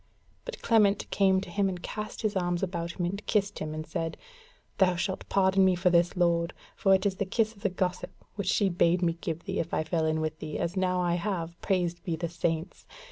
But Clement came to him and cast his arms about him, and kissed him, and said: "Thou shalt pardon me for this, lord, for it is the kiss of the gossip which she bade me give thee, if I fell in with thee, as now I have, praised be the Saints!